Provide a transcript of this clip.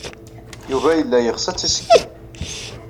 Yuba yella yeɣs ad tt-iṣeggem.